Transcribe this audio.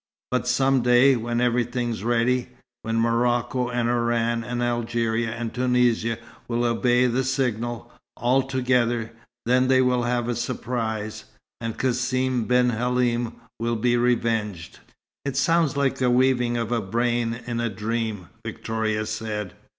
But some day, when everything's ready when Morocco and Oran and Algeria and Tunisia will obey the signal, all together, then they'll have a surprise and Cassim ben Halim will be revenged." "It sounds like the weavings of a brain in a dream," Victoria said.